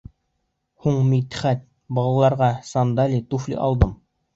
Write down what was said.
Һуң, Мидхәт, балаларға сандали, туфли алдым.